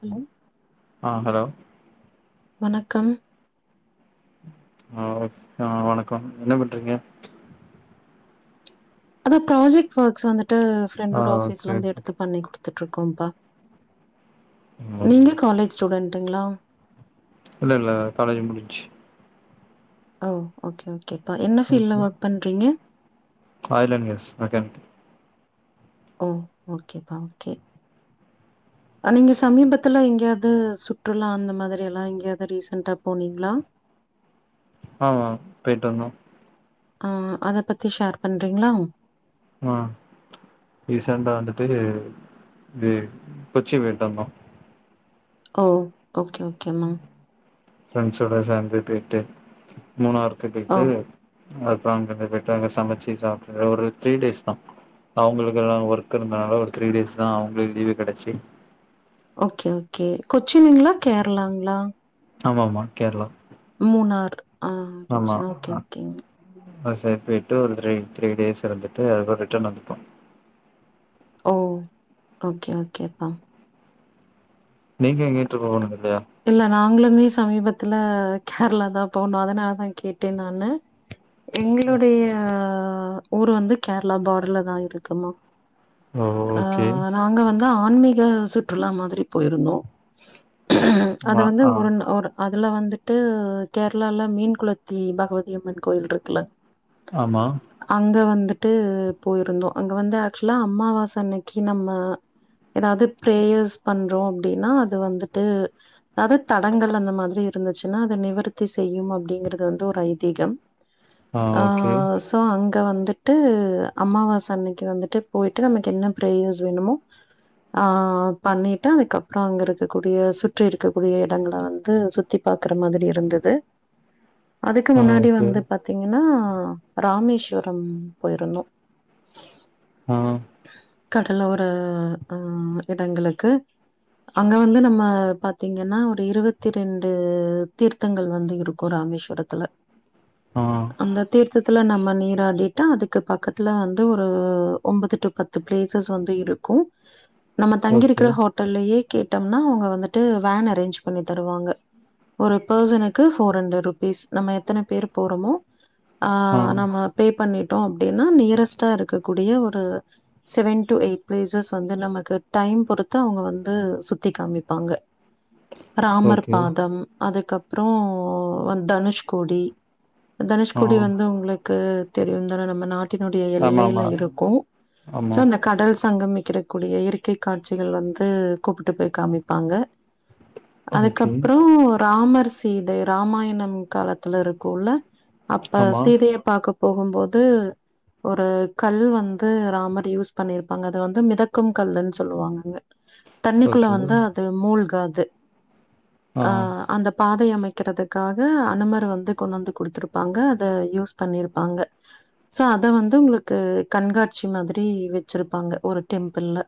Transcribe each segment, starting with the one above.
Hello ஆஹ் hello வணக்கம் ஆ ஆ வணக்கம் என்ன பண்றீங்க அதா ப்ராஜெக்ட் ஒர்க்ஸ் வந்துட்டு ஆ ஃப்ரெண்டோட ஆபீஸ்ல சேரி இருந்து எடுத்து பண்ணிக்கொடு துட்டு இருக்கோம்பா நீங்க காலேஜ் ஸ்டூடென்டங்களா இல்ல இல்ல காலேஜும் முடிச்சு ஓ ஓகே ஓகேப்ப என்ன ஃபீல்டல ஒர்க் பண்றீங்க ஆயலன்ங் எஸ் மெக்கானிக் ஓ ஓகேப்பா ஓகே அ நீங்க சமீபத்துல எங்கேயாவது சுற்றுலா அந்த மாதிரி எல்லா எங்கேயாவது ரீசன்டா போனீங்களா ஆமா போயிட்டு வந்தோ ஆ அத பத்தி ஷேர் பண்றீங்களா ஆ ரீசண்டா வந்துட்டு இது கொச்சி போயிட்டு வந்தோ ஓ ஓகே ஓகேமா ஃபிரெண்ட்ஸோட சேர்ந்து பெய்ட்டு மூணார்க் ஓ பெய்ட்டு அப்புறொ அங்கத போயிட்டு அங்க சமைச்சு சாப்புட ஒரு த்ரீ டேஸ் தா அவங்களுக்கு எல்லா ஒர்க் இருந்துனால ஒரு த்ரீ டேஸ் தான் அவங்களளுக்கு லீவு கெடைச்சி ஓகே ஓகே கொச்சினுங்களா கேர்ளாங்களா ஆமா ஆமா கேர்ளா மூணார் ஆ [unintelligible] ஓகே ஓகேங் அ ச பேயிட்டு ஒருதர த்ரீ டேஸ் இருந்துட்டு அதுற ரிட்டர்ன் வந்துட்டோ ஓ ஓகே ஓகே அப்பா நீங்க எங்கட்டு இரு போணு இல்ல நாங்களுமே சமீபத் த்துல கேரளா தான் போணு அதனாலதான் கேட்டேன் நானு எங்களுடைய ஊர் வந்து கேரளா பாடர்ல தா இருக்குமா ஓ ஆ ஓகே நாங்க வந்து ஆன்மீக சுற்றுலா மாதிரி போயிருந்தோ அது ஆ வந்து ஆ ஒரு நா ஒரு அதுல வந்துட்டு கேரளால மீன் குளத்தி பகவதி அம்மன் கோயில் இருக்குல்ல ஆமா அங்க வந்துட்டு போயிருந்தோ அங்க வந்து ஆக்சுலா அம்மாவாச அன்னைக்கி நம்ம எதாது பிரேயர்ஸ் பண்றோ அப்டின்னா அது வந்துட்டு அது தடங்கள் அந்த மாதிரி இருந்துச்சுன்னா அத நிவர்த்தி செய்யும் அப்படிங்கறது வந்து ஒரு ஐதீகம் ஆ அ ஓகே சோ அங் த வந்துட்டு அம்மாவாச அன்னக்கி வந்துட்டு போயிட்டு நமக்கு என்ன பிரேயர்ஸ் வேணுமோ ஆ பண்ணிட்டு அதுக்கப்புற அங்க இருக்கக்கூடிய சுற்றி இருக்கக்கூடிய எடங்கள வந்து சுத்தி பா பாக்குற மாதிரி இருந்தது உ [unintelligible] அதுக்கு முன்னாடி வந்து பாத்தீங்கன்னா ஆ ராமேஸ்வரம் போயிருந்தோ ஆ கடல ஒரு ஆ இடங்களுக்கு அங்க வந்து நம்ம பாத்தீங்கன்னா ஒரு இருபத்தி ரெண்டு தீர்த்தங்கள் வந்து இருக்கூ ரா மேஸ்வரத்துல ஆ அந்த தீர்த் தத்துல நம்ம நீராடிட்டா அதுக்கு பக்கத்துல வந்து ஒரு ஒம்பது டு பத்து பிளேசஸ் வந்து இருக்கூ நம்ம ஓகே தங்கிருக்கிற ஹோட்டல்லயே கேட்டோம்னா அவுங்க வந்துட்டு வேன் அரேஞ்ச் பண்ணி தருவாங்க ஒரு பெர்சனுக்கு போர் ஹண்ட்ரட் ருபீ பீஸ் நம்ம எத்தன பேர் போறோமோ ஆ நம்ம பே பண்ணிட்டோ அப்டின்னா நியரஸ்ட்டா இருக்கக்கூடிய ஒரு செவன் டு எயிட் பிளேசஸ் வந்து நமக்கு டைம் பொறுத்து அவுங்க வந்து சுத்தி காமிப்பாங்க ராமர் ஓகே பாதம் அதுக்கப்றோ தனுஷ்கோடி ஆ தனுஷ்குடி வந்து உங்களுக்கு தெரியு தான நம்ம நாட்டினுடைய ஆமா ஆமா எல்லையில இருக்கூ சோ ஆமா அந்த கடல் சங்கமிக்ற கூடிய இயற்கை காட்சிகள் வந்து கூப்பிட்டு போய் காமிப்பாங்க ஓகே அதுக்கப்புறம் ராமர் சீதை இராமாயணம் காலத்துல இருக்குள்ள அப்ப ஆமா சீதைய பாக்க போகும்போது ஒரு கல் வந்து ராமர் டி யூஸ் பண்ணிருப்பாங்க அது வந்து மிதக்கும் கல்லுன் சொல்லுவாங்க அங்க தண்ணிக்குள்ள ஓகே வந்து அது மூழ்காது ஆ அந்த பா தை அமைக்கிறதுக்காக அனுமர் வந்து கொண்டு வந்து குடுத்துருப்பாங்க அத யூஸ் பண்ணிருப்பாங்க சோ அத வந்து உங்களுக்கு கண்காட்சி மாதிரி ரி வெச்சிருப்பாங்க ஒரு டெம்பிள்ள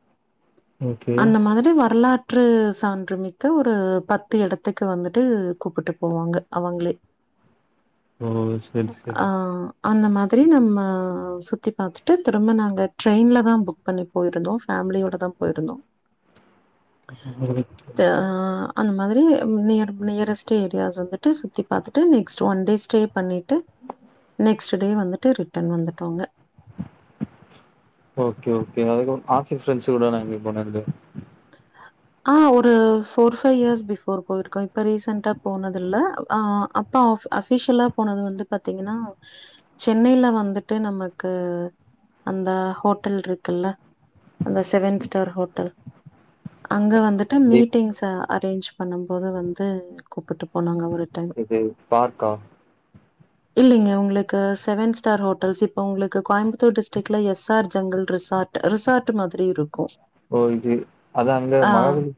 ஓகே அந்த மாதிரி வரலா ற்று சான்றுமிக்க ஒரு பத்து எடத்துக்கு வந்துட்டு கூப்புட்டு போவாங்க அவங்களே ஓ செரி ஆ செரி அந்த மாதிரி நம்ம சுத்தி பாத்துட்டு திரும்ப நாங்க ட்ரெயின்ல தான் புக் பண்ணி போயிருந்தோ ஃபேமிலியோட தான் போயிருந்தோம் ம் த ஆ அந்த மாதிரி நியர் நியரஸ்ட்டு ஏரியாஸ் வந்துட்டு சுத்தி பாத்துட்டு நெக்ஸ்ட் ஒன் டே ஸ்டே பண்ணிட்டு நெக்ஸ்ட் டே வந்துட்டு ரிட்டன் வந்துடோங்க ஓகே ஓகே அதுகப் ஆபிஸ் ஃபரண்ஸ்ளோடலா எங்கயு போனதில்லயா உ ஆ ஒரு ஃபோர் ஃபைவ் இயர்ஸ் பிஃபோர் போயிருக்கோ இப்போ ரீசெண்டா போனதில்ல அ அப்பா அஃபிஷியலா போனது வந்து பாத்தீங்கன்னா சென்னைல வந்துட்டு நமக்கு அந்த ஹோட்டல் இருக்குல்ல அந்த செவன் ஸ்டார் ஹோட்டல் அங்க வந்துட்டு தீப் மீட்டிங்ஸ அரேஞ்ச் பண்ணும் போது வந்து கூப்புட்டு இது பார்க்கா இல்லைங்க உங்களுக்கு செவன் ஸ்டார் ஹோட்டல்ஸ் இப்போ உங்களுக்கு கோயம்புத்தூர் டிஸ்ட்ரிக்ல S R jungle resort resort மாதிரி இருக்கு ஓ இது அதா அங்க மகாபலி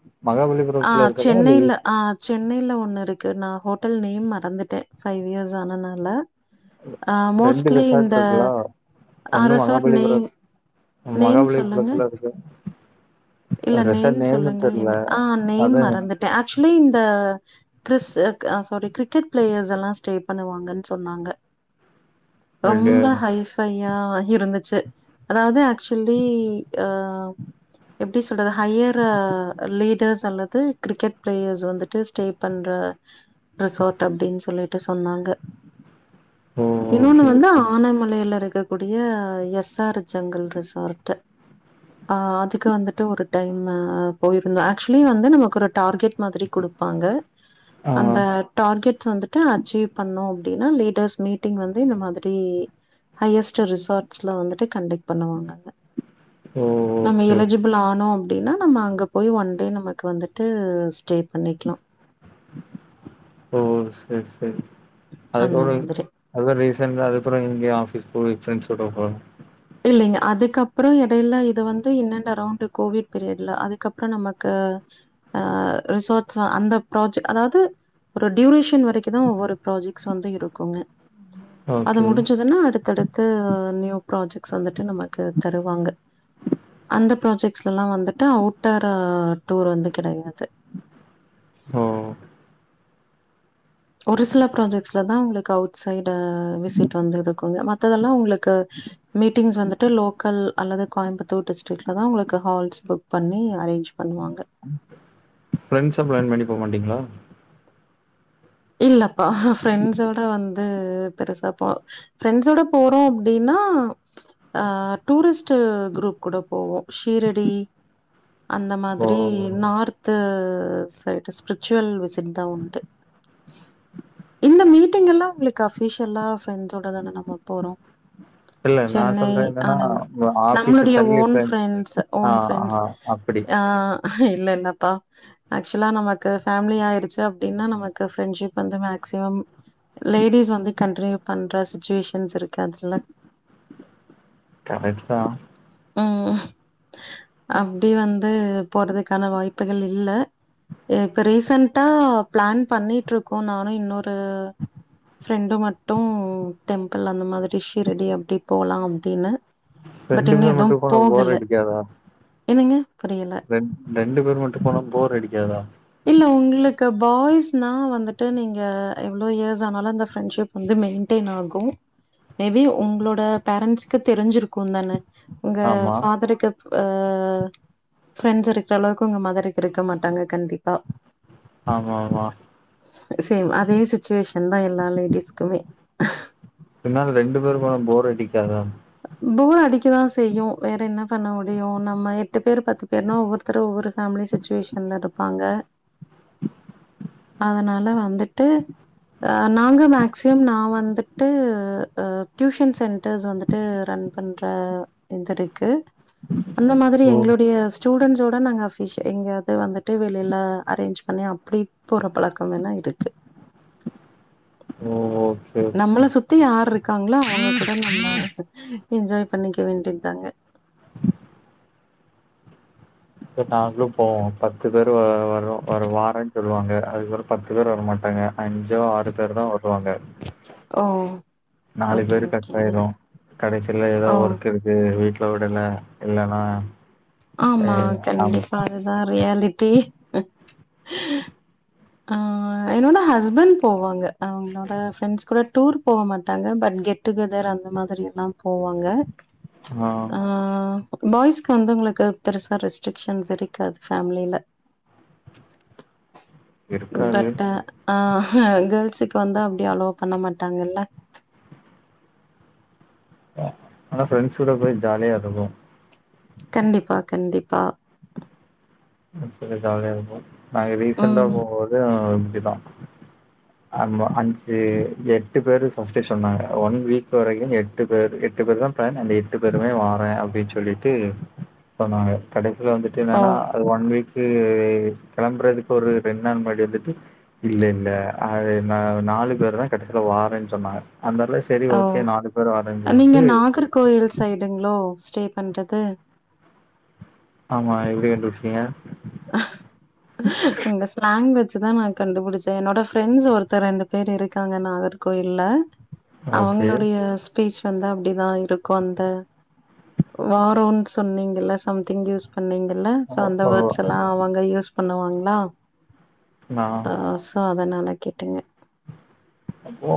ஆ மகாபலிபுரத்துல இருக்குறதா இல்ல சென்னையில ஆ சென்னையில ஒன்னு இருக்கு நா ஹோட்டல் நேம் மறந்துட்டே ஃபைவ் இயர்ஸ் ஆனனால ஆ ரெண்டு மோஸ்ட்லி ரெசார்ட் இந்த இருக்குலா அ ஒண்ணு ரெசார்ட் நேம் மகாபலிபுரம் நேம் சொல்லுங்க மகாபலிபுரத்துல இருக்கு இல்ல நேம் ரெசார்ட் நேமு சொல்லுங்க தெர்ல என்ன ஆ நேம் அதா மறந்துட்டே ஆக் கிளி இந்த கிருஸ் அ சாரி கிரிக்கெட் பிளேயர்ஸ் எல்லாம ஸ்டே பண்ணுவாங்கன்னு சொன்னாங்க ரொம்ப ரெண்டு ஹைஃபை யா இருந்துச்சு அதாவது ஆக்சுவலி ஆ எப் டி சொல்றது ஹையர் லீடர்ஸ் அல்லது கிரிக்கெட் பிளேயர்ஸ் வந்துட்டு ஸ்டே பண்ற ரிசோர்ட் அப்டின்னு சொல்லிட்டு சொன்னாங்க ஓ இன்னொன்னு ஓகே வந்து ஓகே ஆனமலையில இருக் கக்கூடிய எஸ் ஆர் ஜங்கல் ரிசார்ட் அ அதுக்கு வந்து ட்டு ஒரு டைம்மு போயிருந்தோ ஆக்சுவலி வந்து நமக்கு ஒரு டார்கெட் மாதிரி கொடுப்பாங்க ஆ அந்த டார்கெட்ஸ் வந்துட்டு அச்சீவ் பண்ணு அப்டின்னா லீடர்ஸ் மீட்டிங் வந்து இந்த மாதிரி ஹையஸ்ட் ரிசார்ட்ஸ்ல வந்துட்டு கண்டக்ட் பண்ணுவாங்க அங்க ஓ ஓகே னோ அப்டின்னா நம்ம அங்க போய் ஒன் டே நமக்கு வந்துட்டு ஸ்டே பண்ணிக்லா ஓ செரி செரி அந்த அதுக்கப்றோ இ மாதிரி. அதுக்கப்றோ ரீசண்டா அதுக்கப்புறோ இங்க ஆஃபீஸ் ஃபிரெண்ட்ஸோட [unintelligible] இல்லைங்க அதுக்கப்புறோ இடையில இது வந்து இன் அண்ட் அரௌண்ட் கோவிட் பீரியட்ல அதுக்கப்புறோ நமக்கு ஆ ரிசோர்ட்ஸ் அந்த ப்ராஜ் அதாவது ஒரு டியூரேஷன் வரைக்கு தா ஒவ்வொரு ப்ராஜெக்ட்ஸ் வந்து இருக்குங்க அது ஓகே முடிஞ்சதுன்னா அடுத்தடுத்து நியூ ப்ராஜெக்ட் வந்துட்டு நமக்கு தருவாங்க அந்த ப்ராஜெக்ட்ஸ்ல எல்லா வந்துட்டு அவுட்டர் டூர் வந்து கெடையாது ஹோ ஒரு சில ப்ராஜெக்ட்ஸ்லதா உங்களுக்கு அவுட் சைடு விசிட் வந்து இருக்குங்க மத் ததெல்லா உங்களுக்கு மீட்டிங்ஸ் வந்துட்டு லோக்கல் அல்லது கோயம்புத்தூர் டிஸ்ட்ரிக்ட்ல தா உங்களுக்கு ஹால்ஸ் புக் பண்ணி அரேஞ்ச் பண்ணுவாங்க. ஃப்ரெண்ஸா பளான் பண்ணி போமாட்டீங்ளா? இல்லப்பா ஃப்ரெண்ட்ஸோட வந்து பெருசா போ ஃப்ரெண்ஸோட போறோ அப்டீனா ஆ அ டூரிஸ்ட் குரூப் கூட போவோ ஷீரிடி அந்த ஓ மாதிரி நார்து சைடு ஸ்பிரிச்சுவல் விசிட்தா உண்டு. இந்த மீட்டிங் எல்லா உங்களுக்கு அஃபீஷியல்லா ஃப்ரெண்ஸோட தான நம்ம போறோ உம் சென்னை ஆ நம்ம ஆஃபீஸ நம்ளுடைய தள்ளி ஓன் ஃப்ரெண்ட் ஃப்ரெண்ட்ஸ் ஆ ஓன் ஃப்ரெண்ட்ஸ் ஆ அப்டி ஆ இல்ல இல்லப்பா. ஆக்சுலா நமக்கு ஃபேமிலி ஆயிடுச்சு அப்டீன்னா நம க்கு ஃப்ரெண்ட்ஷிப் வந்து மேக்சிமம் லேடிஸ் வந்து கண்டினியூ பண்ற சிச்சுவேஷன்ஸ் இருக்காதுல்ல. கரெட் தா உம் அப்டி வந்து போறதுக்கான வாய்ப்புகள் இல்ல. இப்ப ரீசன்ட்டா பிளான் பண்ணீட்ருக்கோ நானு இன்னொரு ஃப்ரெண்டு மட்டு டெம்பிள் அந்த மாதிரி ஷீரடி அப்டி போலா அப்டீன்னு பட் ரெண்டு இன்னு பேர் மட்டு எதுவும் போனா போர் போகல அடிக்காதா என்னங்க புரியல ரெண் ரெண்டு பேர் மட்டு போனா போர் அடிக்காதா இல்ல உங்ளுக்கு பாய்ஸ்னா வந்துட்டு நீங்க எவ்ளோ இயர்ஸ் ஆனாலு அந்த ஃப்ரெண்ஷிப் வந்து மெயின் டேன் ஆகு மேபி உங்ளோட பேரன்ஸ்க்கு தெரிஞ்சிருக்கூ தான. உங்க ஆமா ஃபாதருக்கு ஆ ப்ரெண்ஸ் இருக்குற அளவுக்கு உங்க மதருக்கு இருக்க மாட்டாங்க கண்டிப்பா. ஆமா ஆமா சேம் அதே சிச்சுவேஷன்தா எல்லா லேடிஸ்க்குமே. இருந்தாலு ரெண்டு பேரு போனா போர் அடிக்காதா போர் அடிக்கதா செய்யு. வேறென்ன பண்ண முடியு நம்ம எட்டு பேர் பத்து பேர்னா ஒவ்வொருத்தரு ஒரு ஃபேமிலி சுச்சுவேஷன்ல இருப்பாங்க. அதனால வந்துட்டு அ நாங்க மேக்சிமம் நா வந்துட்டு அ டியூஷன் சென்டர்ஸ் வந்து ட்டு ரன் பண்ற இதிருக்கு. அந்த மாதிரி ஓ எங்களுடைய ஸ்டூடெண்ஸோட நாங்க அஃபீஷ எங்காது வந்துட்டு வெளில அரேஞ்ச் பண்ணி அப்டி போற பழக்கம் வேணா இ ருக்கு ஓ ஓகே நம்மள ஓகே சுத்தி யார் இருக்காங்ளோ அவங்க கூட நம்ம என்ஜாய் பண்ணிக்க வேண்டிந்தாங்க. இப்ப நாங்களு போவோ பத்து பேரு வ வர் வர் வாரன்னு சொல்லுவாங்க. அதுக்கப்றோ பத்து பேர் வரமாட்டாங்க. அஞ்சோ ஆறு பேர் தா வருவாங்க. ஓ நாலு ஓகே பேரு கட் ஓகேங்க ஆய்ரு. கடைசீல எதா ஓ ஒர்க் இருக்கு வீட் ல விடல இல்லனா ஆமா கண்டிப்பா அதுதா ரியாலிட்டி. ஆ என்னோட ஹஸ்பண்ட் போவாங்க. அவங்ளோட ஃப்ரெண்ட்ஸ் கூட டூர் போ மாட்டாங்க பட் கெட் டு கெதர் அந்த மாதிரி எல்லா போவாங்க ஆ பாய்ஸ்க்கு வந்து உங்களுக்கு பெருசா ரெஸ்ட்ரிக்ஷன்ஸ் இருக்காது. ஃபேம்லீல இருக்காது பட் அ அங்க ஸ்க்கு வந்து அப்டி அலோ பண்ண மாட்டாங்கல்ல ஆனா ப்ரெண்ட்ஸ் கூட போய் ஜாலியா இருக்கும் கண்டிப்பா கண்டிப்பா சரி ஜாலியா இருக்கும் நாங்க ரிசெண்ட்டா ம். போகும்போது இப்படிதா ஆமா அஞ்சு எட்டு பேரு ஃபர்ஸ்ட் சொன்னாங்க ஒன் வீக் வரைக்கும் எட்டு பேரு எட்டு பேரு தா பிளான் அந்த எட்டு பேருமே வறேன் அப்படின்னு சொல்லிட்டு சொன்னாங்க கட வந்துட்டு ஓ, என்னன்னா அது வீக்கு கிளம்புறதுக்கு ஒரு ரெண்டு நாள் முன்னடி வந்துட்டு இல்ல இல்ல அது நா நாலு பேர் தா கிடைசியல வரேன்னு சொன்னாங்க அதனால சரி ஓ ஓகே பேர் வாரேன்னு நீங்க சொல்லிட்டு நாகர்கோயில் சைடுங்களோ ஸ்டே பண்றது ஆமா எப்படி கண்டுபிடிச்சீங்க உங்க ஸ்லாங்குவ சு தா நா கண்டுபிடிச்சே என்னோட ஃப்ரெண்ட்ஸ் ஒருத்தர் ரெண்டு பேர் இருக்காங்க நாகர்கோயில்ல ஓகே. அவங்களுடைய ஸ்பீச் வந்து அப்படிதா இருக்கு அந்த வரோன்னு சொன்னீங்கல்ல சம்திங் யூஸ் பண்ணீங்கல்ல ஓ சோ அந்த ஓ வேர்ட்ஸெல்லா அவங்க யூஸ் பண்ணுவாங்ளா நான் ஆ சோ அதனால கேட்டேங்க அப்போ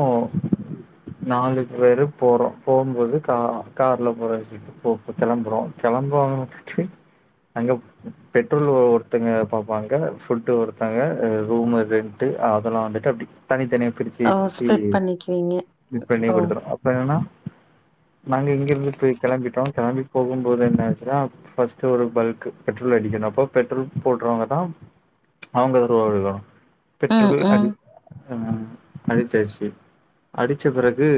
நாலு பேரு போறோ போம்போது கா கார்ல போற சொல்ட்டு போ கெளம்புறோ க ளம்போமுட்டிட்டி அங்க பெட்ரோல் ஒருத்தங்க பாப்பாங்க ஃபுட்டு ஒருத்தங்க ரூமு ரென்ட்டு அதெல்லா வந்துட்டு அப்டி தனித்தனியா பிரிச்சு ஓ! பிரிச்சு ஸ்ப்ரெட் பண்ணிக்குவீங்க. ம் பண்ணி ஓ! குடுத்துரூ அப்ப எல்லா நாங்க இங்கிருந்து போய் கெளம்பிட்டோம் கெளம்பி போகும்போது என்னாச்சுன்னா ஒரு பல்க் பெட்ரோல் அடி தெனக்கூ பெட்ரோல் போடுறவங்க தா அவுங்க [unintelligible] ம், பெட்ரோல் அடி ம். ஆ அடிச்சாச்சு அடிச்ச பிறகு